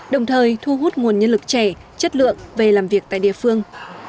đồng thời thu hút nguồn nhân lực trẻ chất lượng về làm việc tại địa phương